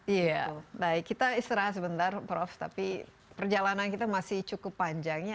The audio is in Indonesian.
iya baik kita istirahat sebentar prof tapi perjalanan kita masih cukup panjang ya